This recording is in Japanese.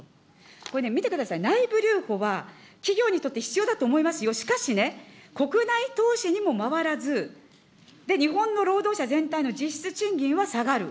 これね、見てください、内部留保は企業にとって必要だと思いますよ、しかしね、国内投資にも回らず、で、日本の労働者全体の実質賃金は下がる。